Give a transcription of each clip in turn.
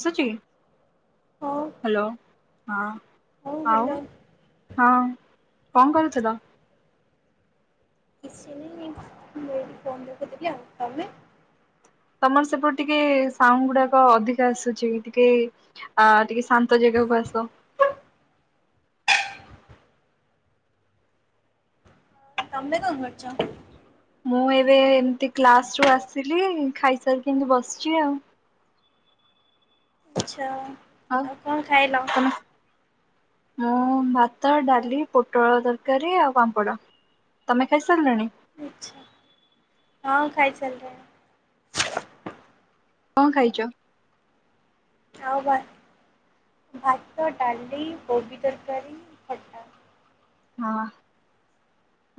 ସୁଚି ହଉ ହାଲୋ ହଁ। ହଉ ଆଉ ହ୍ୟାଲୋ ହଁ କଣ କରୁଥିଲ? କିଛିନାଇଁ ଏଇଠି ବଇକି ଫୋନ୍ ଦେଖୁଥିଲି ଆଉ ତମେ? ତମର ସେପଟେ ଟିକେ ସାଉଣ୍ଡ ଗୁଡ଼ାକ ଅଧିକା ଆସୁଚି ଟିକେ ଆ ଟିକେ ଶାନ୍ତ ଜେଗାକୁ ଆସ? ତମେ କଣ କରୁଚ? ମୁଁ ଏବେ ଏମିତି କ୍ଲାସରୁ ଆସିଲି ଖାଇସାରି ଏମିତି ବସିଚି ଆଉ। ଆଚ୍ଛା। ଆଉ କଣ ଖାଇଲ? ତମେ ମୁଁ ଭାତ, ଡ଼ାଲି, ପୋଟଳ ତରକାରୀ ଆଉ ପାମ୍ପଡ଼। ତମେ ଖାଇ ସାରିଲଣି? ଆଚ୍ଛା ହଁ ଖାଇସାରିଲିଣି। କଣ ଖାଇଚ? ଆଉ ଭାତ, ଡ଼ାଲି, କୋବି ତରକାରୀ, ଖଟା। ହଁ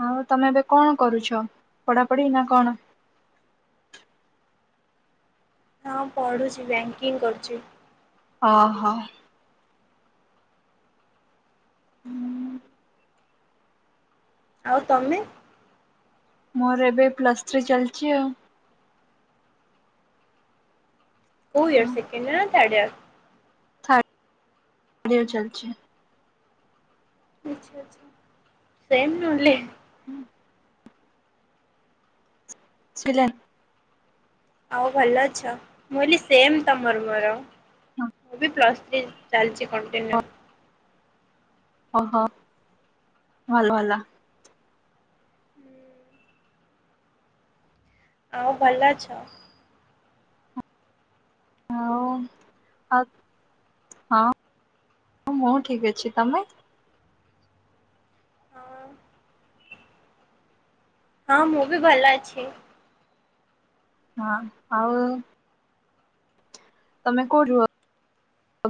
ଆଉ ତମେ ଏବେ କଣ କରୁଛ ପଢ଼ାପଢ଼ିନା କଣ? ହଁ ପଡ଼ୁଚି ବ୍ୟାଙ୍କିଙ୍ଗ କରୁଚି। ଓହୋ। ଆଉ ତମେ? ମୋର ଏବେ ପ୍ଲସ୍ ଥ୍ରୀ ଚାଲିଚି ଆଉ। ଓ ଇୟର୍ ସେକେଣ୍ଡୟରନା ଥାର୍ଡ଼ ଇୟର? [unintelligible] ଚାଲିଚି। ଆଛା ଆଛା ସେମ ନ ହେଲେ ହୁଁ। ଶୁଭିଲା। ଆଉ ଭଲ ଅଛ ମୁଁ ହିଲୀ ସେମ ତମର ମୋର ମୁଁ ବି ପ୍ଲସ୍ ଥ୍ରୀ। ଚାଲିଛି କଣ୍ଟିନ୍ୟୁ। ଓହୋ ଭଲ ହେଲା। ଆଉ ଭଲ ଅଛ। [unintelligible] ହଁ ମୁଁ ଠିକ ଅଛି ତମେ। ହଁ। ହଁ ମୁଁ ବି ଭଲ ଅଛି। ହଁ ଆଉ ତମ କୋଉଠି ରୁହ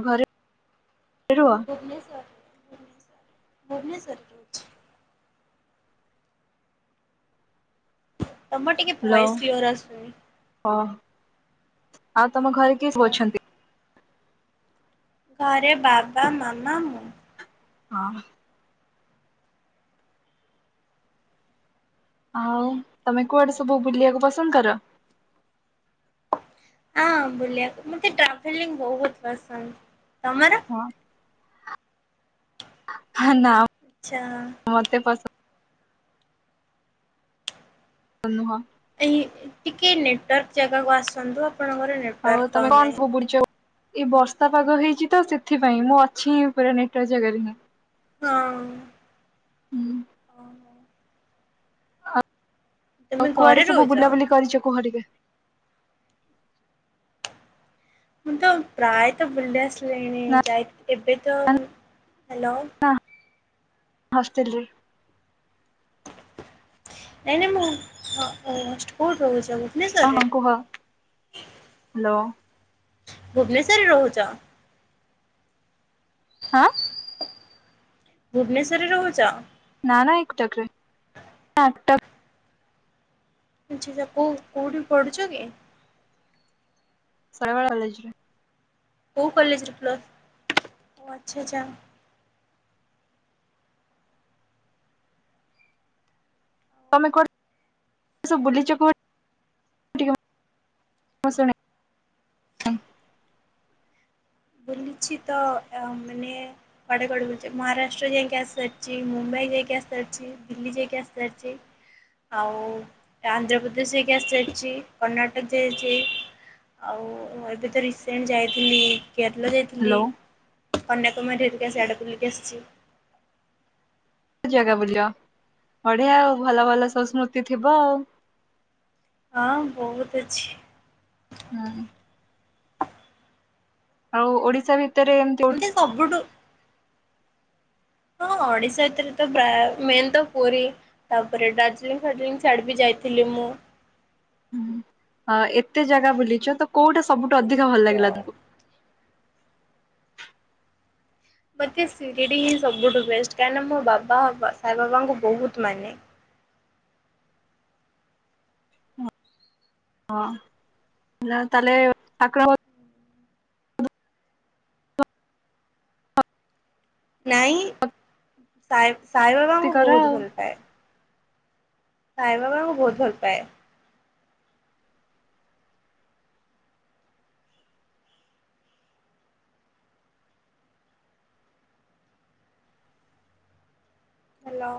ଘରେ ରୁହ। ଭୁବନେଶ୍ୱର ରେ ରହୁଚି ଭୁବନେଶ୍ୱର ରେ ରହୁଚି। ତମର ଟିକେ ହ୍ୟାଲୋ ଭଏସ୍ କ୍ଳିଅର ଆସୁନି। ଓ ଆଉ ତମ ଘରେ କିଏ ସବୁ ଅଛନ୍ତି। ଘରେ ବାବା ମାମା ମୁଁ। ହଁ। ଆଉ ତମେ କୁଆଡେ ସବୁ ବୁଲିବାକୁ ପସନ୍ଦ କର। ହଁ ବୁଲିବା କୁ ମତେ ଟ୍ରାଭେଲି ବହୁତ ପସନ୍ଦ ତମର। ହଁ ହେ ନା ଆଚ୍ଛା। ମତେ ପସ ନ୍ଦ ନୁହଁ। ଏହି ଟିକେ ନେଟୱାର୍କ ଜାଗାକୁ ଆସନ୍ତୁ ଆପଣଙ୍କର ନେଟ ହଉ ତମେ କଣ [inaudible] ଏଇ ବର୍ଷା ପାଗ ହେଇଛି ତ ସେଥିପାଇଁ ମୁଁ ଅଛି ହିଁ ପୁରା ନେଟୱର୍କ ଜାଗାରେ ହିଁ। [unintelligible] ତମେ ଆଉ ଘରେ କୁଆଡେ ସବୁ ରହୁଛ? ବୁଲାବୁଲି କରିଛ କୁହ ଟିକେ। ମୁଁ ତ ପ୍ରାୟତ ବୁଲି ଆସିଲିଣି ନା ଯାଇ ଏବେ ତ ହାଲୋ। ହଷ୍ଟେଲ ରେ। ନାଇଁ ନାଇଁ ମୁଁ ହ ଅ ସ୍କୁଲ୍ ରହୁଚି ଏବେ। ହଁ ହଁ କୁହ ହ୍ୟାଲୋ। ଭୁବନେଶ୍ୱରରେ ରହୁଚ। ହଁ। [inaudible] ଭୁବନେଶ୍ଵରରେ ରହୁଚ। ନା ନା ଏ କଟକ ରେ [unintelligible] [unintelligible] କୁ କୋଉଠି ପଢୁଛ କି? [unintelligible] କଲେଜ୍ ରେ। ହଉ କଲେଜରେ ପ୍ଲସ୍ ଓ ଆଚ୍ଛା ଆଚ୍ଛା। ତମେ କୁଆଡ଼େ ସବୁ ବୁଲିଚ କୁହ ମୂଁ ଶୁଣେ। ବୁଲିଛି ତ ଅ ମାନେ କୁଆଡେ କୁଆଡେ ବୁଲୁଚି ମହାରାଷ୍ଟ୍ର ଜାଇକି ଆସାରିଛି ମୁମ୍ବାଇ ଯାଇକି ଆସାରିଛି ଦିଲି ଜାଇକି ଆସାରିଛି। ଆଉ ଆନ୍ଧ୍ରପ୍ରଦେଶ ଯାଇକି ଆସି ସାରିଛି କର୍ଣ୍ଣାଟକ ଯାଇଛି। ଆଉ ମୁଁ ଏବେ ତ ରିସେଣ୍ଟ ଯାଇଥିଲି କେରଳ ଯାଇଥିଲି ହ୍ୟାଲୋ କନ୍ୟାକୁମାରୀ ହେରିକା ସିଆଡ଼େ କୁଲିକି ଆସିଛି। ଜାଗା ବୁଲିଲ ବଢିଆ ଆଉ ଭଲ ଭଲ ସବୁ ସ୍ମୃତି ଥିବ ଆଉ। ହଁ ବହୁତ ଅଛି। ହୁଁ। ଆଉ ଓଡିଶା ଭିତରେ ଏମିତି କୋଉଠି ମତେ ସବୁଠୁ ହଁ ଓଡିଶା ଭିତରେ ପ୍ରାୟ ତ ମେନ୍ ତ ପୁରୀ। ତାପରେ ଡାର୍ଜିଲିଂ ଫାର୍ଜିଲଂ ଛାଡ ବି ଯାଇଥିଲି ମୁଁ। ହଁ ଏତେ ଜାଗା ବୁଲିଚ ତ କୋଉଟା ସବୁଟୁ ଅଧିକ ଭଲ ତ ଲାଗିଲା ତୁମକୁ। ମୋତେ ସିରିଡ଼ି ହିଁ ସବୁଠୁ ବେଷ୍ଟ କାହିଁକିନା ମୋ ବାବା ସାଇ ବାବାଙ୍କୁ ବୋହୁତ ମାନେ ହଁ ନା ତାହଲେ [unintelligible] ନାଇଁ ଭକ୍ତି ସାଇବାବାଙ୍କୁ କର ବୋହୁତ ଆଉ ଭଲ ପାଏ। ସାଇ ବାବା ଙ୍କୁ ବୋହୁତ ଭଲ ପାଏ। ହ୍ୟାଲୋ।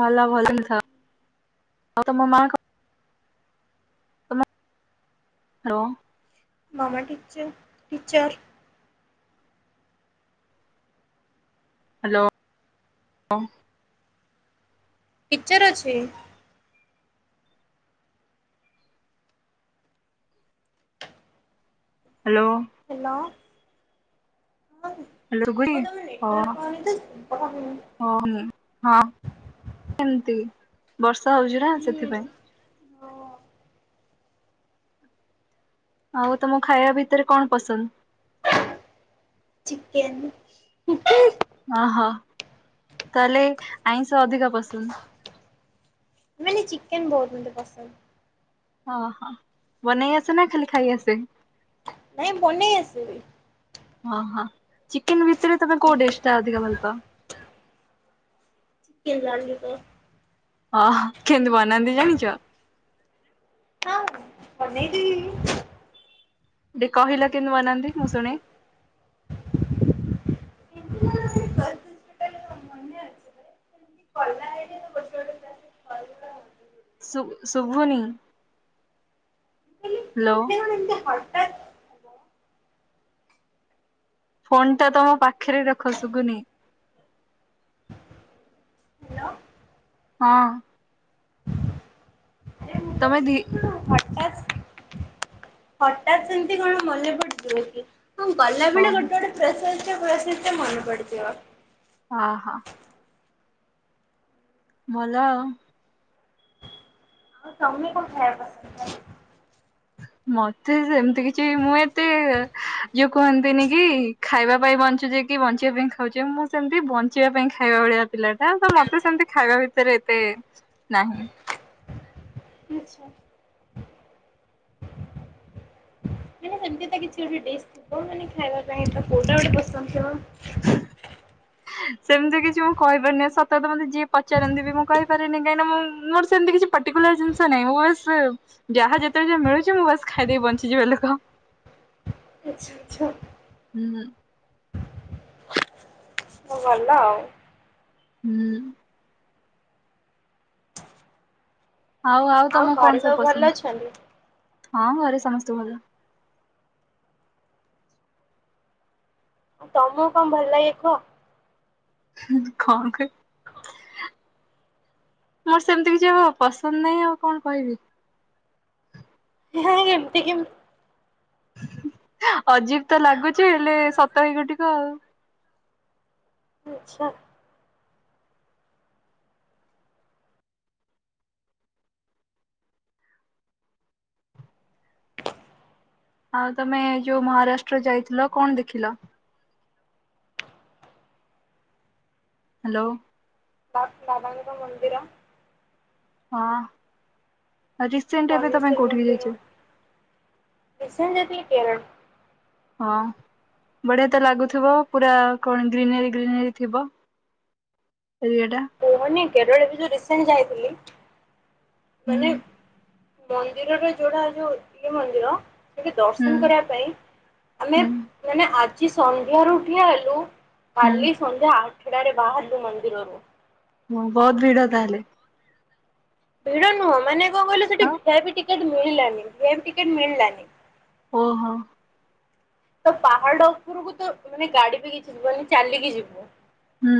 ଭଲ ଭଲ ଲେ ଥାଅ ଆଉ ତମ ମା କ ତମ ହ୍ୟାଲୋ। ମାମା ଟିଚର୍ ଟିଚର। ହ୍ୟାଲୋ ହ। ଟିଚର ଅଛି। ହ୍ୟାଲୋ। ହ୍ୟାଲୋ ହ। ହ୍ୟାଲୋ ଶୁଭୁଚି? କୁହ ତମେ ନେୱାକା ପାଇନିତ [unintelligible] ହଉ ହଁ କେମିତି ବର୍ଷା ହଉଚି ନା ହୁଁ ସେଥିପାଇଁ। ହଁ। ଆଉ ତମ ଖାଇବା ଭିତରେ କଣ ପସନ୍ଦ। ଚିକେନ। ଅହ ତାହଲେ ଆଇଁଷ ଅଧିକା ପସନ୍ଦ। ମୁ କଇଲି ଚିକେନ ବୋହୁତ ମତେ ପସନ୍ଦ। ହ ହ ବନେଇ ଆସ ନା ଖାଲି ଖାଇ ଆସେ। ନାଇଁ ବନେଇ ଆସେ ବି। ଓହ ଚିକେନ ଭିତରେ ତମେ କୋଉ ଡିଶ ଟା ଅଧିକା ଭଲ ପାଅ। କିିଲ ଲଲି ପ ଅ କେମିତି ବନାନ୍ତି ଜାଣିଚ। ହଁ ବନେଇଦେବି। ଟ କହିଲ କେମତି ବନାନ୍ତି ମୁଁ ଶୁନେ। ସୁ ଶଭୁନି ହ୍ୟାଲୋ। ଏତେ ହଟାତ୍। ଫୋନ୍ ଟା ତମ ପାଖରେ ରଖସୁଗୁନି। ହ୍ୟାଲୋ। ହଁ। ତମେ ଦି ହଟାତ। ହଠାତ୍ ସେମିତି କଣ ମାନେପଡି ଯିବା କି ହଁ ଗଲାବେଳେ ଓହୋ ଗୋଟେ ଗୋଟେ [unintelligible] ମନେ ପଡ଼ିଯିବ। ହ ହଁ। ଭଲ। ତମେ କଣ ଖାଇବା ପସନ୍ଦ କର। ମତେ ସେମିତି କିଛି ମୁଁ ଏତେ ଇଏ କୁହନ୍ତିନି କି ଖାଇବା ପାଇଁ ବଞ୍ଚୁଚେ କି ବଞ୍ଚିବା ପାଇଁ ଖାଉଚେ ମୁଁ ସେମିତି ବଞ୍ଚିବା ପାଇଁ ଖାଇବା ଭଳିଆ ପିଲା ନା ତ ମତେ ସେମିତି ଖାଏବେ ଭିତରେ ଏତେ ନାହିଁ। ଆଚ୍ଛା। ସେମତି ତ କିଛି ଗୋଟେ ଡି ଥିବ ମାନେ ଖାଇବା ପାଇଁ ତ କୋଉଟା ଗୋଟେ ପସନ୍ଦ ଥିବ। ସେମିତି କିଛି ମୁଁ କହିପାରୁନି ସତଥା ମତେ ଯିଏ ପଚାରନ୍ତି ବି ମୁଁ କହିପାରିନି କାହିଁକିନା ମୁଁ ମୋର ସେମିତି କିଛି ପର୍ଟିକୁଲର ଜିନିଷ ନାହିଁ ମୁଁ ବାସ ଯାହା ଯେତେବେଳେ ଯାହା ମିଳୁଛି ମୁଁ ବାସ୍ ଖାଇଦେଇି ବଞ୍ଚିଯିବା ଲୋକ। ଆଚ୍ଛା ଆଚ୍ଛା। ହୁଁ ହୁଁ। ଭଲ ଆଉ। ହୁଁ। ଆଉ ଆଉ ତମକୁ ଘରେ କଣ ସବୁ ଭଲ ପସନ୍ଦ, ଅଛନ୍ତି? ହଁ ଘରେ ସମସ୍ତେ ଭଲ। ଆଉ ତମକୁ କଣ ଭଲ ଲାଗେ କୁହ? କଣ କହିବି? ମୋର ସେମିତି କିଛି ପସନ୍ଦ ନାହିଁ ଆଉ କଣ କହିବି। ହା ଏମିତି କେମିତି। ଅଜୀବ ତ ଲାଗୁଛି ହେଲେ, ସତ ଏହି ଗୋଟିକ ଆଉ। ଆଚ୍ଛା। ଆଉ ତମେ ଯୋଉ ମହାରାଷ୍ଟ୍ର ଯାଇଥିଲ କଣ ଦେଖିଲ? ହ୍ୟାଲୋ ବା ବାବାଙ୍କ ମନ୍ଦିର। ହଁ ରିସେଣ୍ଟ ଏବେ ତମେ ଧନେଶ୍ୱର କଉଠିିକି ମନ୍ଦିର ଯାଇଛ? ରିସେଣ୍ଟ ଯାଇଥିଲି କେରଳ। ହଁ ବଢିଆ ତ ଲାଗୁଥିବ, ପୁରା କଣ ଗ୍ରୀିନେରୀ ଗ୍ରିନେରୀ ଥିବ। ଏରିଆଟା। କୁହନି କେରଳ ବି ଯୋଉ ରିସେଣ୍ଟ ଯାଇଥିଲି ହୁଁ ମାନେ ମନ୍ଦିରର ଯୋଉଟା ଯୋଉ ଏଇ ମନ୍ଦିର ଟିକେ ହୁଁ ଦର୍ଶନ କରିବା ପାଇଁ ଆମେ ହୁଁ ମାନେ ଆଜି ସନ୍ଧ୍ୟାରୁ ଠିଆ ହେଲୁ। ହୁଁ କଲି ସନ୍ଧ୍ୟା ଆଠଡାରେ ବାହାରିଲୁ ମନ୍ଦିରରୁ। ହଁ ବହୁତ ଭିଡ ତାହେଲେ। ଭିଡ ନୁହଁ ମାନେ କଣ କହିଲୁ ସେଠି ଆଉ ଭି ଆଇ ପି ଟିକେଟ ମିଳିଲାନି, ଭି ଆଇ ପି ଟିକେଟ ମିଳିଲାନି। ଓହୋ। ତ ପାହାଡ ଉପରକୁ ତ ମାନେ ଗାଡି ବି କିଛି ଯିବନି ଚାଲିକି ଯିବୁ। ହୁଁ।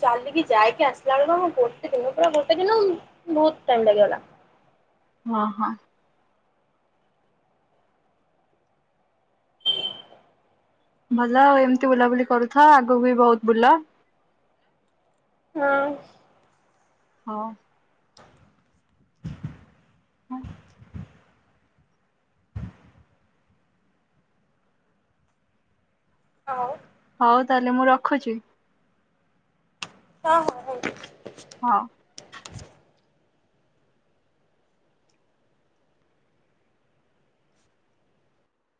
ଚାଲିକି ଯାଇକି ଆସିଲା ବେଳକୁ ଗୋଟେ ଦିନ ପୁରା ଗୋଟେ ଦିନ ବହୁତ ଟାଇମ ଲାଗିଗଲା। ହଁ ହଁ। ଭଲ ଆଉ ଏମିତି ବୁଲାବୁଲି କରୁଥା ଆଗକୁ ବି ବହୁତ ବୁଲ। ହଁ। ହଉ। ହୁଁ। ଆଉ ହଉ ତାହେଲେ ମୁଁ ରଖୁଛି। ହଁ ହଁ ହଉ। ହଁ।